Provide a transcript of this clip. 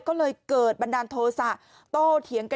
ก็เลยเกิดบันดาลโทษะ